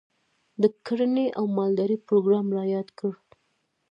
د کرنې او مالدارۍ پروګرام رایاد کړ.